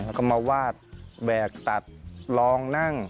แล้วก็มาวาดแบกตัดลองนั่ง